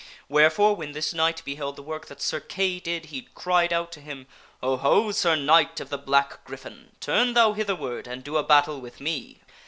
Wherefore when this knight beheld the work that Sir Kay did, he cried out to him, " Ho ! ho! Sir Knight of the black gryphon, turn thou hitherward and do a battle with me